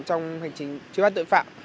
trong hành trình chứa phát tội phạm